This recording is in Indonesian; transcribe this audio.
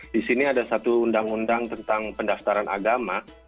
di sini ada satu undang undang tentang pendaftaran agama